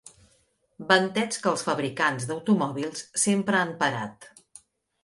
Ventets que els fabricants d'automòbils sempre han parat.